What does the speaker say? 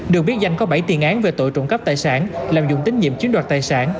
được biết danh có bảy tiền án về tội trộm cắp tài sản lạm dụng tín nhiệm chiếm đoạt tài sản